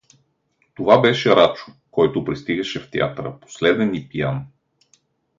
Това беше Рачо, който пристигаше в театъра последен и пиян.